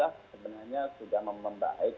delapan belas sebenarnya sudah membaik